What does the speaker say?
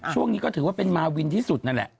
ช่วงนี้ก็ถือว่าเป็นมาวินที่สุดนั่นแหละ